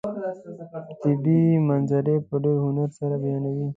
طبیعي منظرې په ډېر هنر سره بیانوي.